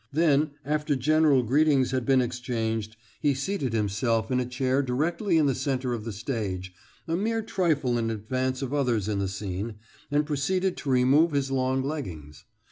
Then, after general greetings had been exchanged, he seated himself in a chair directly in the centre of the stage, a mere trifle in advance of others in the scene, and proceeded to remove his long leggings.